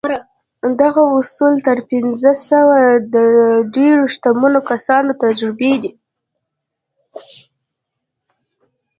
دغه اصول تر پينځه سوه د ډېرو شتمنو کسانو تجربې دي.